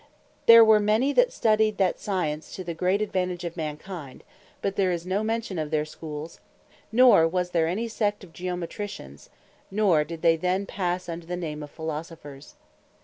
There were many that studied that Science to the great advantage of mankind: but there is no mention of their Schools; nor was there any Sect of Geometricians; nor did they then passe under the name of Philosophers.